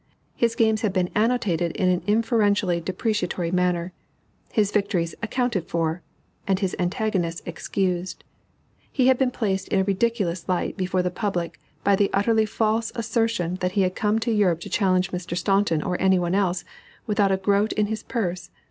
His games had been annotated in an inferentially depreciatory manner, his victories accounted for, and his antagonists excused. He had been placed in a ridiculous light before the public by the utterly false assertion that he had come to Europe to challenge Mr. Staunton or any one else without a groat in his purse.